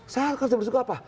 saya harus bersyukur apa